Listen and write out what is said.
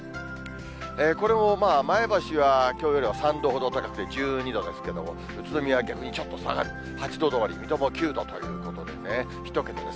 これも前橋はきょうよりは３度ほど高くて１２度ですけども、宇都宮は逆にちょっと下がる、８度止まり、水戸も９度ということでね、１桁です。